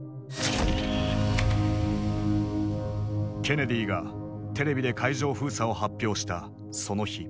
ケネディがテレビで海上封鎖を発表したその日。